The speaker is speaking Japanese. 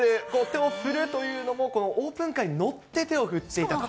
手を振るというのも、このオープンカーに乗って、手を振っていたと。